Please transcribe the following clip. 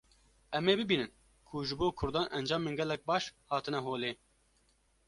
em ê bibînin ku ji bo Kurdan encamên gelek baş hatine holê